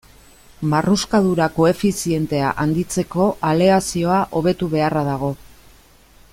Marruskadura koefizientea handitzeko aleazioa hobetu beharra dago.